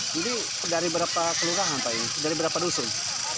jadi dari berapa kelurahan pak dari berapa dusun